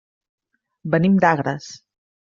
Venim d'Agres.